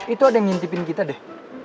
itu ada yang ngintipin kita deh